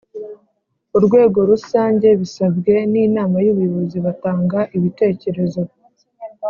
Urwego rusange bisabwe n inama y ubuyobozi batanga ibitekerezo